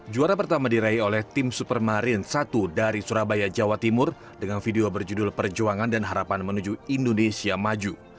juara pertama diraih oleh tim supermarin satu dari surabaya jawa timur dengan video berjudul perjuangan dan harapan menuju indonesia maju